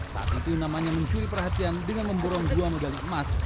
saat itu namanya mencuri perhatian dengan memborong dua medali emas